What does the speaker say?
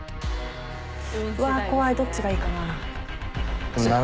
怖いどっちがいいかな。